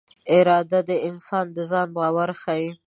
اراده د انسان د ځان باور ښيي.